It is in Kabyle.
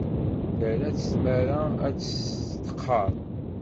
Terra-tt tmara ad testqerr.